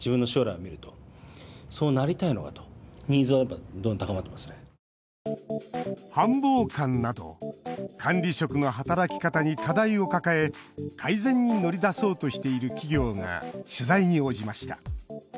真剣に耳を傾けていました繁忙感など管理職の働き方に課題を抱え改善に乗り出そうとしている企業が取材に応じました。